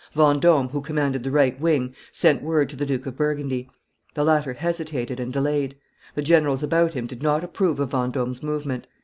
Vendome, who commanded the right wing, sent word to the Duke of Burgundy. The latter hesitated and delayed; the generals about him did not approve of Vendome's movement.